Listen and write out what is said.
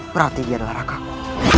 berarti dia adalah rakamu